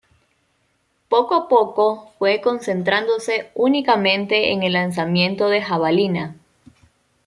Poco a poco fue concentrándose únicamente en el lanzamiento de jabalina.